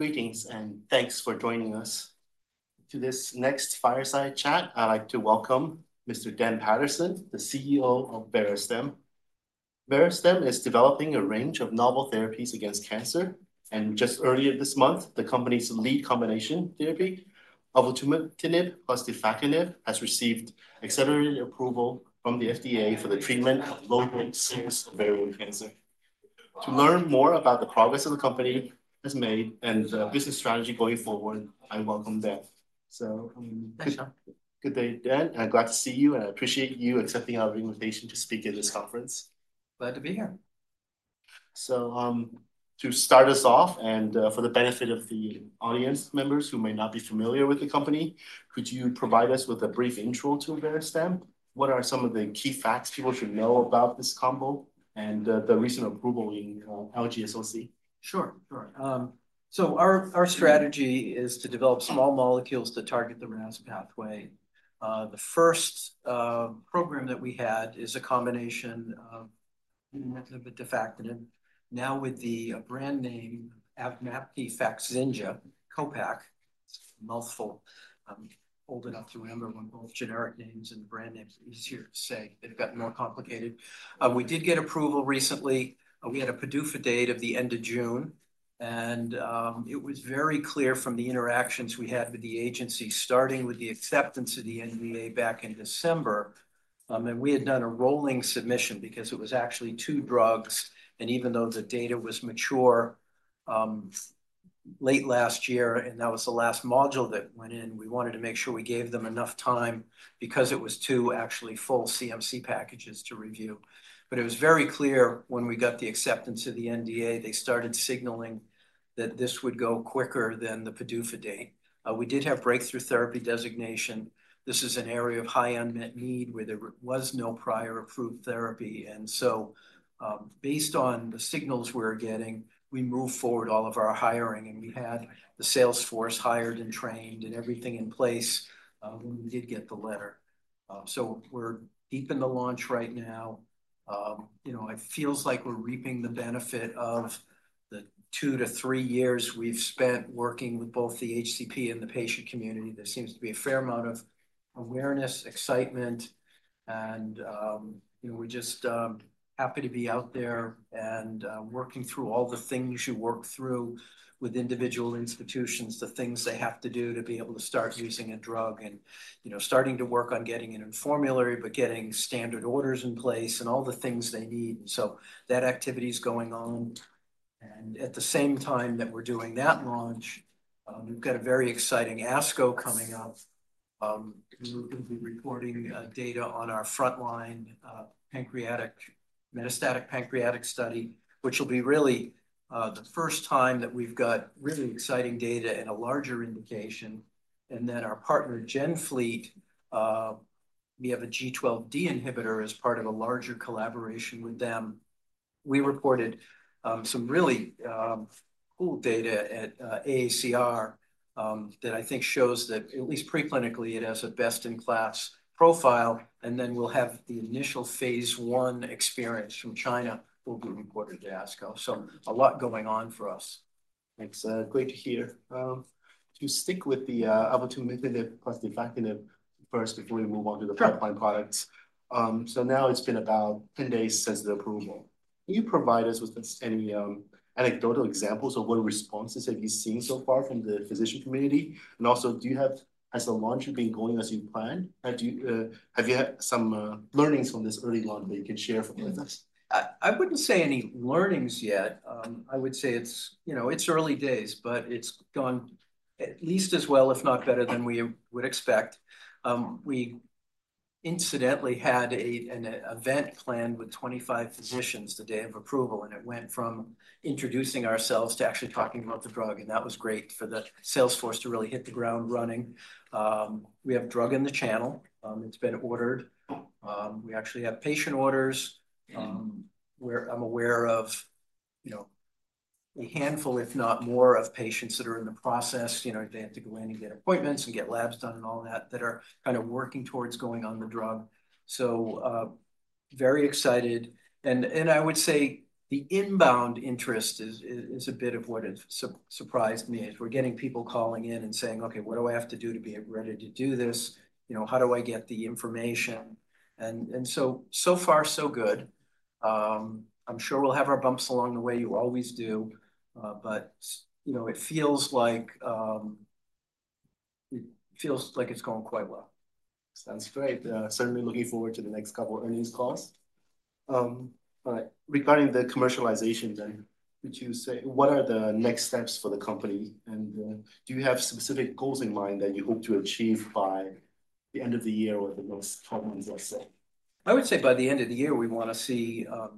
Greetings and thanks for joining us. To this next fireside chat, I'd like to welcome Mr. Dan Paterson, the CEO of Verastem. Verastem is developing a range of novel therapies against cancer, and just earlier this month, the company's lead combination therapy, avutometinib/defactinib, has received accelerated approval from the FDA for the treatment of low-grade serous ovarian cancer. To learn more about the progress that the company has made and the business strategy going forward, I welcome Dan. Good day, Dan. I'm glad to see you, and I appreciate you accepting our invitation to speak at this conference. Glad to be here. To start us off, and for the benefit of the audience members who may not be familiar with the company, could you provide us with a brief intro to Verastem? What are some of the key facts people should know about this combo and the recent approval in LGSOC? Sure, sure. Our strategy is to develop small molecules to target the RAS pathway. The first program that we had is a combination of defactinib now with the brand name AVMAPKI FAKZYNJA CO-PACK. It's a mouthful. Holding up to remember when both generic names and brand names are easier to say. They've gotten more complicated. We did get approval recently. We had a PDUFA date of the end of June, and it was very clear from the interactions we had with the agency, starting with the acceptance of the NDA back in December. We had done a rolling submission because it was actually two drugs. Even though the data was mature late last year, and that was the last module that went in, we wanted to make sure we gave them enough time because it was two actually full CMC packages to review. It was very clear when we got the acceptance of the NDA, they started signaling that this would go quicker than the PDUFA date. We did have breakthrough therapy designation. This is an area of high unmet need where there was no prior approved therapy. Based on the signals we're getting, we moved forward all of our hiring, and we had the salesforce hired and trained and everything in place when we did get the letter. We're deep in the launch right now. You know, it feels like we're reaping the benefit of the two to three years we've spent working with both the HCP and the patient community. There seems to be a fair amount of awareness, excitement, and we're just happy to be out there and working through all the things you work through with individual institutions, the things they have to do to be able to start using a drug, and starting to work on getting it in formulary, getting standard orders in place and all the things they need. That activity is going on. At the same time that we're doing that launch, we've got a very exciting ASCO coming up. We'll be reporting data on our frontline metastatic pancreatic study, which will be really the first time that we've got really exciting data in a larger indication. Our partner, GenFleet, we have a G12D inhibitor as part of a larger collaboration with them. We reported some really cool data at AACR that I think shows that at least preclinically, it has a best-in-class profile. We will have the initial phase I experience from China will be reported to ASCO. A lot going on for us. Thanks. Great to hear. To stick with the avutometinib/defactinib first before we move on to the frontline products. Now it's been about 10 days since the approval. Can you provide us with any anecdotal examples of what responses have you seen so far from the physician community? Also, has the launch been going as you planned? Have you had some learnings from this early launch that you can share with us? I wouldn't say any learnings yet. I would say it's early days, but it's gone at least as well, if not better than we would expect. We incidentally had an event planned with 25 physicians the day of approval, and it went from introducing ourselves to actually talking about the drug. That was great for the salesforce to really hit the ground running. We have drug in the channel. It's been ordered. We actually have patient orders where I'm aware of a handful, if not more, of patients that are in the process. They have to go in and get appointments and get labs done and all that that are kind of working towards going on the drug. Very excited. I would say the inbound interest is a bit of what has surprised me, is we're getting people calling in and saying, "Okay, what do I have to do to be ready to do this? How do I get the information?" So far, so good. I'm sure we'll have our bumps along the way, you always do. It feels like it's going quite well. Sounds great. Certainly looking forward to the next couple of earnings calls. Regarding the commercialization, would you say what are the next steps for the company? Do you have specific goals in mind that you hope to achieve by the end of the year or the next 12 months, let's say? I would say by the end of the year, we want to see a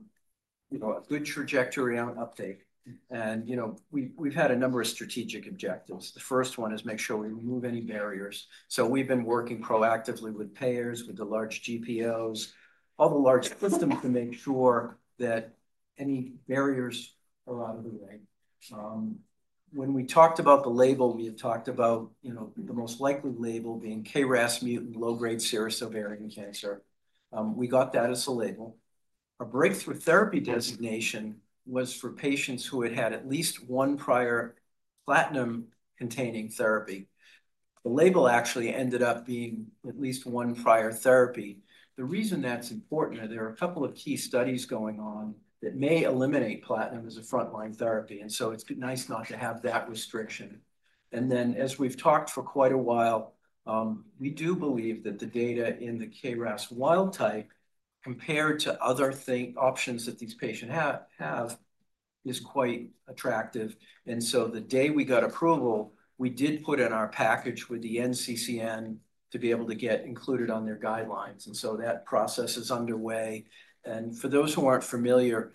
good trajectory on uptake. And we've had a number of strategic objectives. The first one is make sure we remove any barriers. So we've been working proactively with payers, with the large GPOs, all the large systems to make sure that any barriers are out of the way. When we talked about the label, we had talked about the most likely label being KRAS mutant low-grade serous ovarian cancer. We got that as a label. Our breakthrough therapy designation was for patients who had had at least one prior platinum-containing therapy. The label actually ended up being at least one prior therapy. The reason that's important, there are a couple of key studies going on that may eliminate platinum as a frontline therapy. And so it's nice not to have that restriction. As we've talked for quite a while, we do believe that the data in the KRAS wild type compared to other options that these patients have is quite attractive. The day we got approval, we did put in our package with the NCCN to be able to get included on their guidelines. That process is underway. For those who aren't familiar,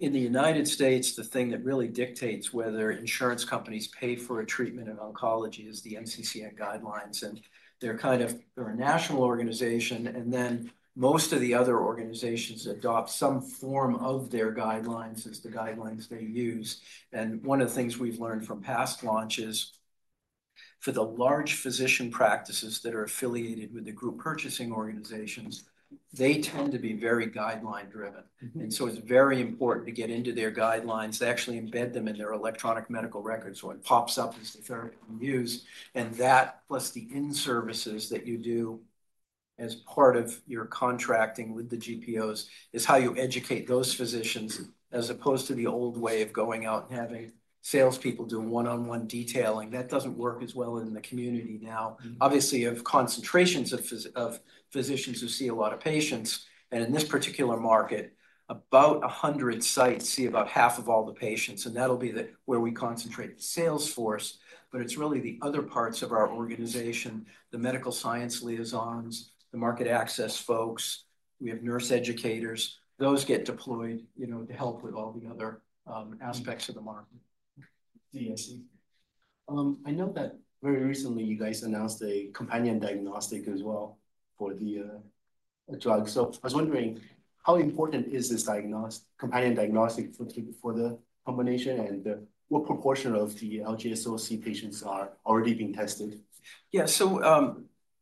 in the U.S., the thing that really dictates whether insurance companies pay for a treatment in oncology is the NCCN guidelines. They're kind of a national organization. Most of the other organizations adopt some form of their guidelines as the guidelines they use. One of the things we've learned from past launches is for the large physician practices that are affiliated with the group purchasing organizations, they tend to be very guideline-driven. It is very important to get into their guidelines. They actually embed them in their electronic medical records. It pops up as the therapy you use. That, plus the in-services that you do as part of your contracting with the GPOs, is how you educate those physicians, as opposed to the old way of going out and having salespeople do one-on-one detailing. That does not work as well in the community now. Obviously, you have concentrations of physicians who see a lot of patients. In this particular market, about 100 sites see about half of all the patients. That will be where we concentrate the salesforce. It is really the other parts of our organization, the medical science liaisons, the market access folks. We have nurse educators. Those get deployed to help with all the other aspects of the market. I know that very recently you guys announced a companion diagnostic as well for the drug. I was wondering, how important is this companion diagnostic for the combination? What proportion of the LGSOC patients are already being tested? Yeah.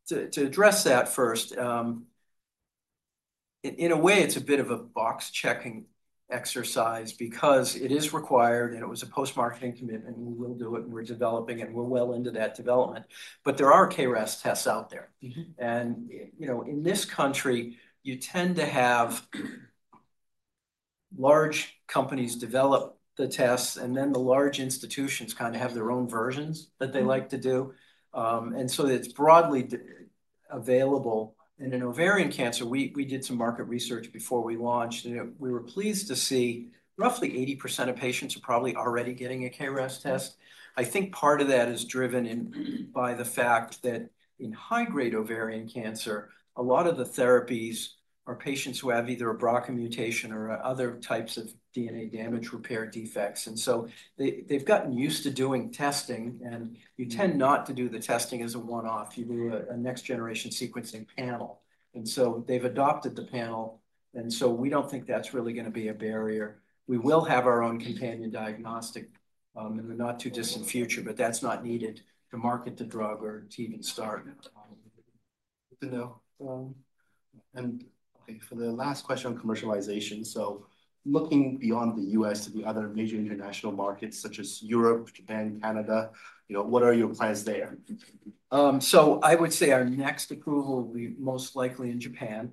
To address that first, in a way, it's a bit of a box-checking exercise because it is required, and it was a post-marketing commitment, and we will do it, and we're developing, and we're well into that development. There are KRAS tests out there. In this country, you tend to have large companies develop the tests, and then the large institutions kind of have their own versions that they like to do. It's broadly available. In ovarian cancer, we did some market research before we launched. We were pleased to see roughly 80% of patients are probably already getting a KRAS test. I think part of that is driven by the fact that in high-grade ovarian cancer, a lot of the therapies are patients who have either a BRCA mutation or other types of DNA damage repair defects. They've gotten used to doing testing, and you tend not to do the testing as a one-off. You do a next-generation sequencing panel. They've adopted the panel. We do not think that's really going to be a barrier. We will have our own companion diagnostic in the not-too-distant future, but that's not needed to market the drug or to even start. Good to know. For the last question on commercialization, looking beyond the U.S. to the other major international markets such as Europe, Japan, Canada, what are your plans there? I would say our next approval will be most likely in Japan.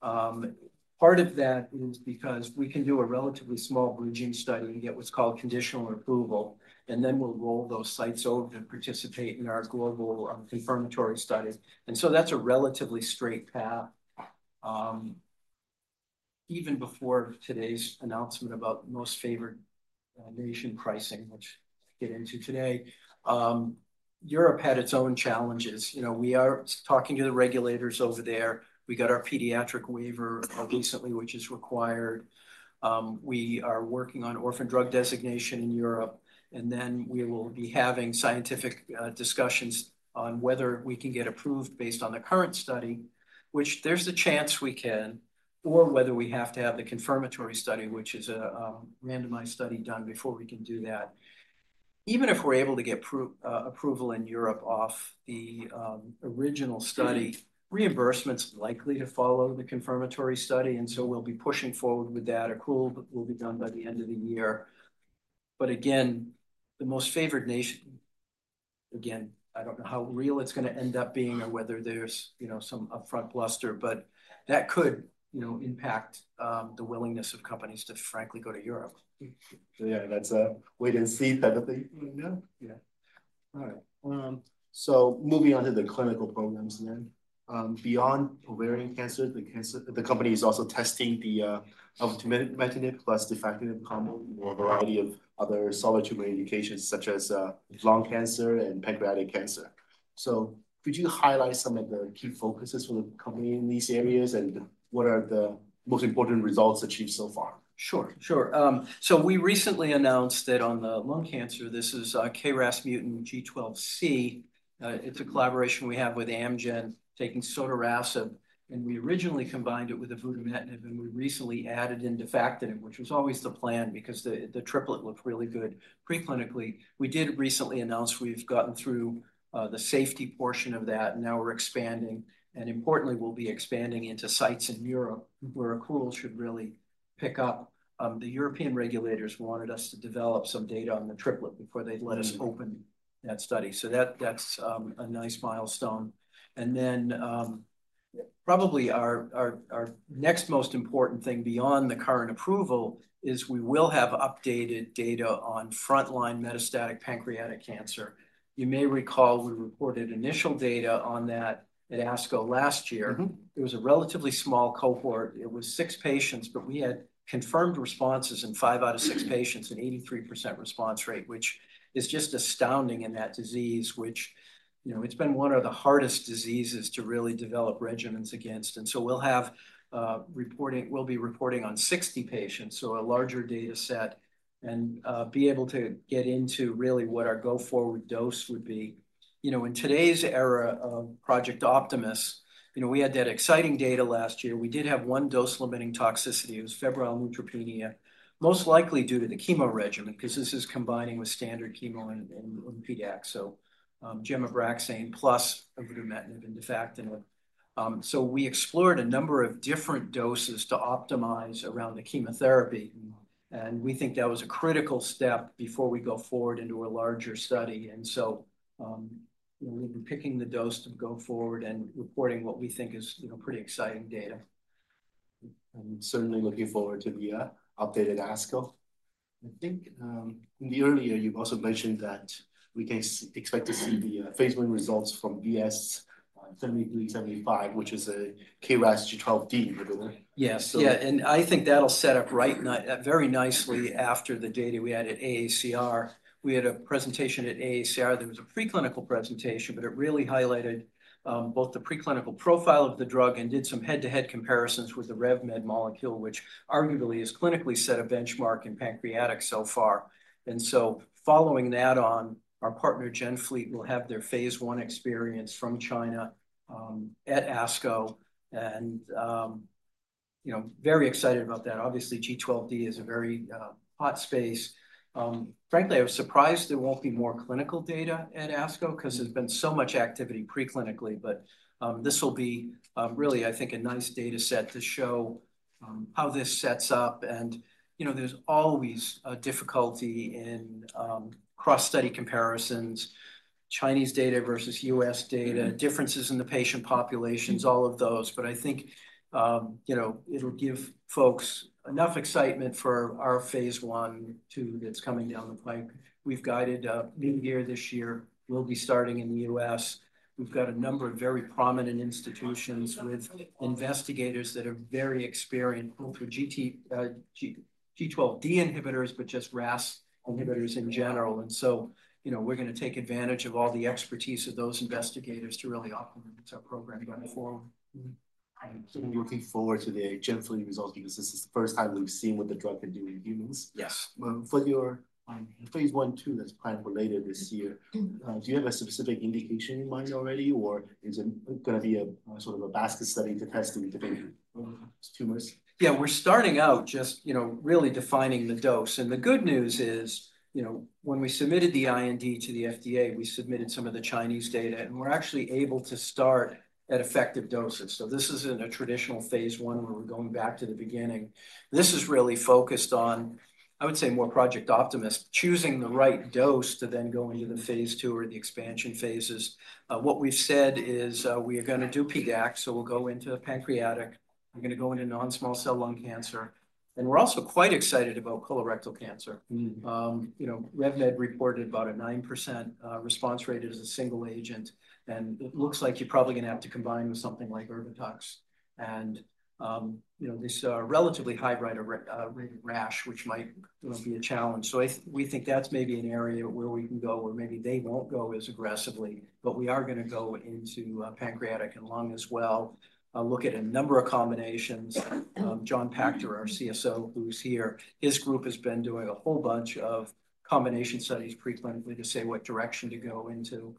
Part of that is because we can do a relatively small bridging study and get what's called conditional approval, and then we'll roll those sites over to participate in our global confirmatory study. That is a relatively straight path. Even before today's announcement about most favored nation pricing, which we'll get into today, Europe had its own challenges. We are talking to the regulators over there. We got our pediatric waiver recently, which is required. We are working on orphan drug designation in Europe. We will be having scientific discussions on whether we can get approved based on the current study, which there's a chance we can, or whether we have to have the confirmatory study, which is a randomized study done before we can do that. Even if we're able to get approval in Europe off the original study, reimbursement's likely to follow the confirmatory study. We'll be pushing forward with that. Approval will be done by the end of the year. Again, the most favored nation, I don't know how real it's going to end up being or whether there's some upfront bluster, but that could impact the willingness of companies to, frankly, go to Europe. Yeah, that's a wait-and-see type of thing. Yeah. All right. Moving on to the clinical programs then. Beyond ovarian cancer, the company is also testing the avutometinib/defactinib combo for a variety of other solid tumor indications such as lung cancer and pancreatic cancer. Could you highlight some of the key focuses for the company in these areas and what are the most important results achieved so far? Sure. Sure. We recently announced that on the lung cancer, this is KRAS mutant G12C. It's a collaboration we have with Amgen taking sotorasib. We originally combined it with avutometinib, and we recently added in defactinib, which was always the plan because the triplet looked really good preclinically. We did recently announce we've gotten through the safety portion of that, and now we're expanding. Importantly, we'll be expanding into sites in Europe where accruals should really pick up. The European regulators wanted us to develop some data on the triplet before they'd let us open that study. That's a nice milestone. Probably our next most important thing beyond the current approval is we will have updated data on frontline metastatic pancreatic cancer. You may recall we reported initial data on that at ASCO last year. It was a relatively small cohort. It was six patients, but we had confirmed responses in five out of six patients and 83% response rate, which is just astounding in that disease, which it's been one of the hardest diseases to really develop regimens against. We'll be reporting on 60 patients, so a larger data set, and be able to get into really what our go-forward dose would be. In today's era of Project Optimus, we had that exciting data last year. We did have one dose-limiting toxicity. It was febrile neutropenia, most likely due to the chemo regimen because this is combining with standard chemo and PDAC, so gemcitabine plus avutometinib and defactinib. We explored a number of different doses to optimize around the chemotherapy. We think that was a critical step before we go forward into a larger study. We've been picking the dose to go forward and reporting what we think is pretty exciting data. I'm certainly looking forward to the updated ASCO. I think in the earlier, you also mentioned that we can expect to see the phase I results from VS-7375, which is a KRAS G12D, remember? Yes. Yeah. I think that'll set up right very nicely after the data we had at AACR. We had a presentation at AACR. There was a preclinical presentation, but it really highlighted both the preclinical profile of the drug and did some head-to-head comparisons with the RevMed molecule, which arguably has clinically set a benchmark in pancreatics so far. Following that on, our partner GenFleet will have their phase I experience from China at ASCO. Very excited about that. Obviously, G12D is a very hot space. Frankly, I was surprised there won't be more clinical data at ASCO because there's been so much activity preclinically. This will be really, I think, a nice data set to show how this sets up. There's always a difficulty in cross-study comparisons, Chinese data versus U.S. data, differences in the patient populations, all of those. I think it'll give folks enough excitement for our phase I/II that's coming down the pike. We've guided New Year this year. We'll be starting in the U.S. We've got a number of very prominent institutions with investigators that are very experienced, both with G12D inhibitors, but just RAS inhibitors in general. We're going to take advantage of all the expertise of those investigators to really optimize our program going forward. I'm certainly looking forward to the GenFleet results because this is the first time we've seen what the drug can do in humans. Yes. For your phase I/II, that's kind of related this year. Do you have a specific indication in mind already, or is it going to be a sort of a basket study to test in different tumors? Yeah, we're starting out just really defining the dose. The good news is when we submitted the IND to the FDA, we submitted some of the Chinese data, and we're actually able to start at effective doses. This isn't a traditional phase I where we're going back to the beginning. This is really focused on, I would say, more Project Optimus, choosing the right dose to then go into the phase II or the expansion phases. What we've said is we are going to do PDAC, so we'll go into pancreatic. We're going to go into non-small cell lung cancer. We're also quite excited about colorectal cancer. Revolution Medicines reported about a 9% response rate as a single agent. It looks like you're probably going to have to combine with something like Erbitux. These are relatively high rate of rash, which might be a challenge. We think that's maybe an area where we can go where maybe they won't go as aggressively, but we are going to go into pancreatic and lung as well, look at a number of combinations. John Pachter, our CSO, who's here, his group has been doing a whole bunch of combination studies preclinically to say what direction to go into.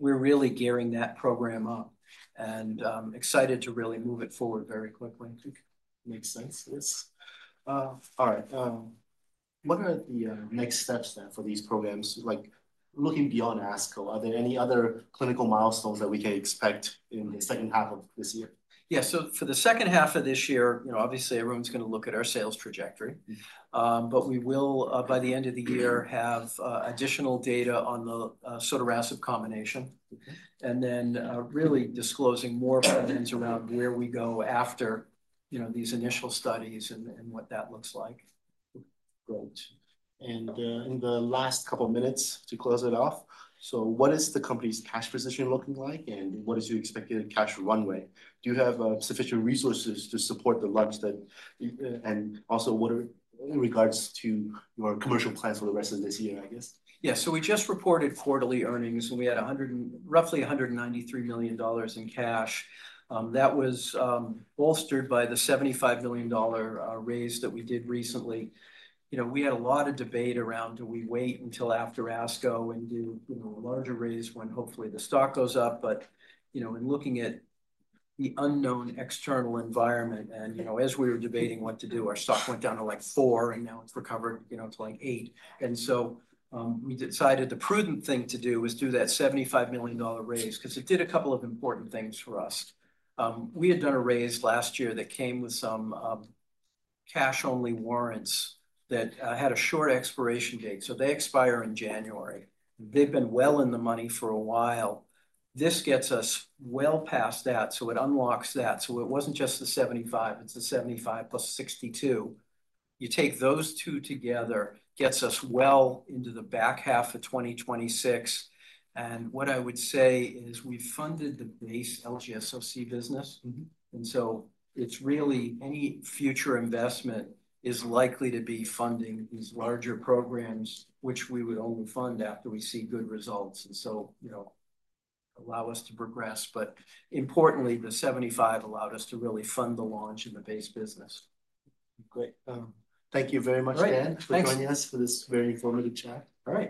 We're really gearing that program up and excited to really move it forward very quickly. Makes sense. Yes. All right. What are the next steps then for these programs? Looking beyond ASCO, are there any other clinical milestones that we can expect in the second half of this year? Yeah. For the second half of this year, obviously, everyone's going to look at our sales trajectory. We will, by the end of the year, have additional data on the sotorasib combination. Then really disclosing more plans around where we go after these initial studies and what that looks like. Great. In the last couple of minutes to close it off, what is the company's cash position looking like, and what is your expected cash runway? Do you have sufficient resources to support the launch? Also, what are your commercial plans for the rest of this year, I guess? Yeah. So we just reported quarterly earnings, and we had roughly $193 million in cash. That was bolstered by the $75 million raise that we did recently. We had a lot of debate around, do we wait until after ASCO and do a larger raise when hopefully the stock goes up? In looking at the unknown external environment, and as we were debating what to do, our stock went down to like four, and now it's recovered to like eight. We decided the prudent thing to do was do that $75 million raise because it did a couple of important things for us. We had done a raise last year that came with some cash-only warrants that had a short expiration date. They expire in January. They've been well in the money for a while. This gets us well past that. It unlocks that. It was not just the 75. It is the 75 plus 62. You take those two together, gets us well into the back half of 2026. What I would say is we funded the base LGSOC business. It is really any future investment is likely to be funding these larger programs, which we would only fund after we see good results. That allows us to progress. Importantly, the 75 allowed us to really fund the launch in the base business. Great. Thank you very much, Dan, for joining us for this very informative chat. All right.